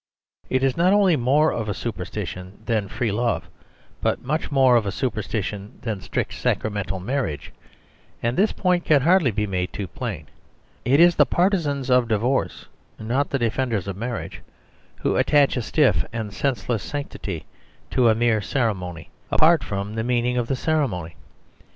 It is not only more of a superstition than free love, but much more of a superstition than strict sacramental marriage ; and this point can hardly be made too plain. It is the partisans of divorce, not the defenders of marriage, who attach a stiff and senseless sanctity to a mere ceremony, apart from the meaning of the cere mony.